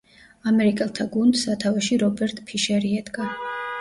ამერიკელთა გუნდს სათავეში რობერტ ფიშერი ედგა.